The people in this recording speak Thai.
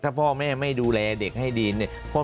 ถ้าพ่อแม่ไม่ดูแลเด็กให้ดีเนี่ย